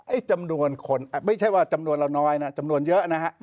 จำนวนคนไม่ใช่ว่าจำนวนเราน้อยนะจำนวนเยอะนะฮะ